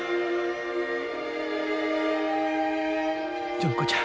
純子ちゃん。